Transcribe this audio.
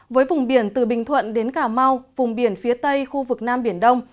với vùng biển từ bình thuận đến cà mau vùng biển phía tây khu vực nam biển đông